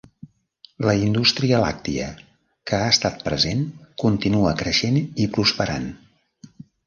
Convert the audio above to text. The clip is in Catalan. La indústria làctia, que ha estat present, continua creixent i prosperant.